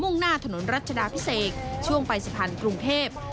่งหน้าถนนรัชดาพิเศษช่วงไปสะพานกรุงเทพ